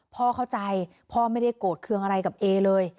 พ่อเข้าใจพ่อไม่ได้โกรธเครื่องอะไรกับเอเลย